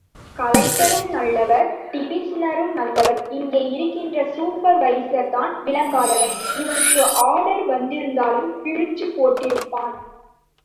கலெக்டரும் நல்லவரு... டிவிசனரும் நல்லவரு... இங்கே இருக்கிற சூப்பர்வைசர்தான் விளங்காதவன்... இவனுக்கு ஆர்டர் வந்திருந்தாலும் கிழிச்சுப் போட்டிருப்பான்.